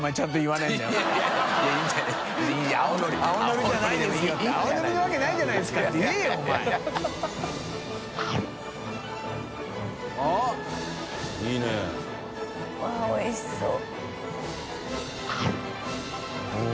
わっおいしそう。